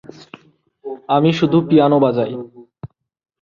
আমি শুধু পিয়ানো বাজাই!